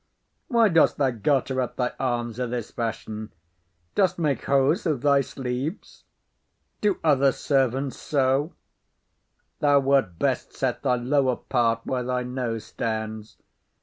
Why dost thou garter up thy arms o' this fashion? Dost make hose of thy sleeves? Do other servants so? Thou wert best set thy lower part where thy nose stands.